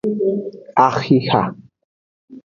Axixa.